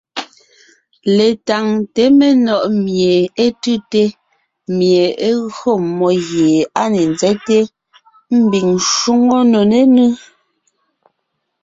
Letáŋte menɔ̀ʼ mie é tʉ́te, mie é gÿo mmó gie á ne nzɛ́te mbiŋ shwóŋo nò nénʉ́.